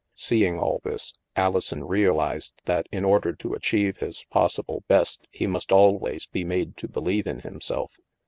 Seeing all this, Alison realized that in order to achieve his possible best, he must always be made to believe in himself.